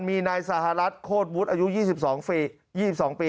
มีนายสหรัฐโคตรวุฒิอายุ๒๒ปี